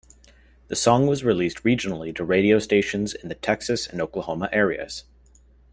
The song was released regionally to radio stations in the Texas and Oklahoma areas.